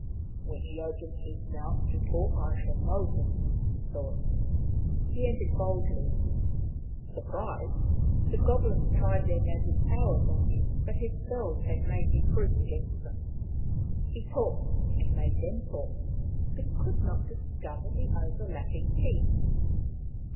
" When he opens his mouth to talk I shall know him," he thought. He entered boldly. Surprised, the goblins tried their magic powers on him, but his spells had made him proof against them. He talked, and made them talk, but he could not discover the overlapping teeth.